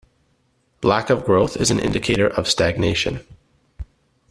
Lack of growth is an indicator of stagnation.